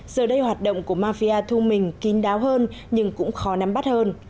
giờ đây hoạt động của mafia thu mình kín đáo hơn nhưng cũng khó nắm bắt hơn